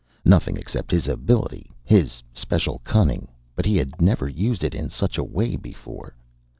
Nothing, except his ability, his special cunning. But he had never used it in such a way before.